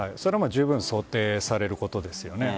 十分想定されることですよね。